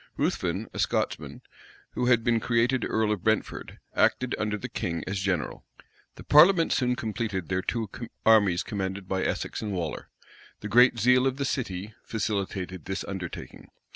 Ruthven, a Scotchman, who had been created earl of Brentford, acted under the king as general. The parliament soon completed their two armies commanded by Essex and Waller. The great zeal of the city facilitated this undertaking.